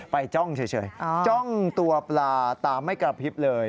ไปจ้องเฉยจ้องตัวปลาตามไม่กลับฮิปเลย